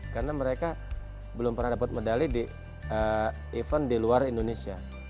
karena mereka belum pernah dapat medali di event di luar indonesia